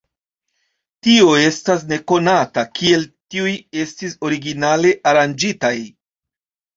Tio estas nekonata, kiel tiuj estis originale aranĝitaj.